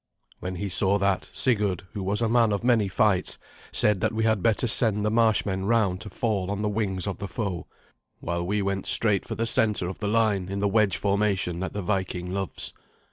When he saw that, Sigurd, who was a man of many fights, said that we had better send the marshmen round to fall on the wings of the foe, while we went straight for the centre of the line in the wedge formation that the Viking loves.